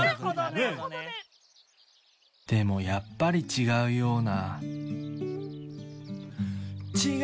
でもやっぱりちがうような。